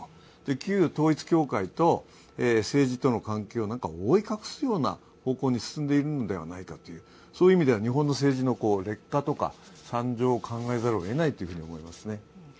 旧統一教会と政治との関係を覆い隠すような方向に進んでいるのではないかという、そういう意味では日本の政治の劣化とか惨状を考えざるをえないと思いますね。